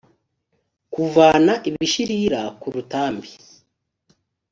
kuvana ibishirira ku rutambi